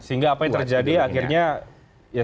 sehingga apa yang terjadi akhirnya ya